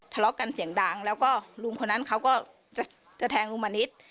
ทะเลาะกันเสียงดังแล้วก็ลุงคนนั้นเขาก็จะแทงลุงมณิษฐ์